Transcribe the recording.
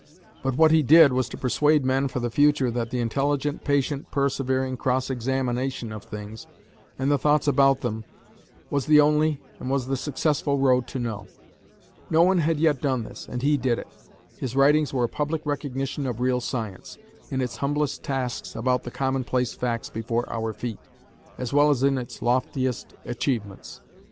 But what he did was to persuade men for the future that the intelligent, patient, persevering cross examination of things, and the thoughts about them, was the only, and was the successful road to know. No one had yet done this, and he did it. His writings were a public recognition of real science, in its humblest tasks about the commonplace facts before our feet, as well as in its loftiest achievements.